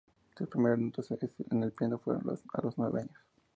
Sus primeras notas en el piano fueron a los nueve años.